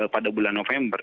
pada bulan november